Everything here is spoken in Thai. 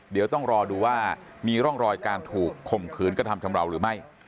เดี๋ยวต้องรอดูว่ามีร่องรอยการถูกข่มขืนกระทำชำราวหรือไม่